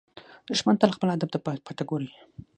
دښمن تل خپل هدف ته په پټه ګوري